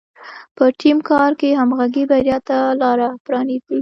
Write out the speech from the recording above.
په ټیم کار کې همغږي بریا ته لاره پرانیزي.